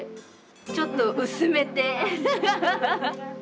ちょっと薄めて。